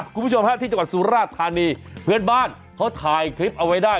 คุณผู้ชมฮะที่จังหวัดสุราธานีเพื่อนบ้านเขาถ่ายคลิปเอาไว้ได้